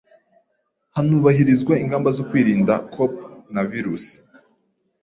hanubahirizwa ingamba zo kwirinda Corpnavirus.